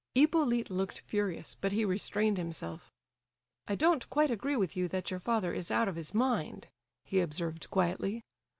Hippolyte looked furious, but he restrained himself. "I don't quite agree with you that your father is out of his mind," he observed, quietly.